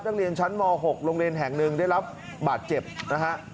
นักเรียนชั้นม๖โรงเรียนแห่งหนึ่งได้รับบาดเจ็บนะฮะ